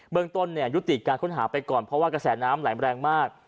เมืองต้นยุติการค้นหาไปก่อนเพราะว่ากระแสน้ำไหลแรงมาก